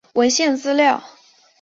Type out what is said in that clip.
文献资料